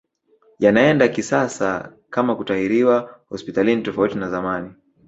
Yanaenda kisasa kama kutahiriwa hospitalini tofauti na zamani